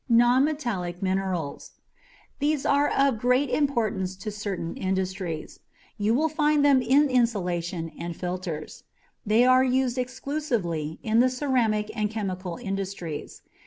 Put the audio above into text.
NONMETALLIC MINERALS. These are of great importance to certain industries. You will find them in insulation and filters. They are used extensively in the ceramic and chemical industries.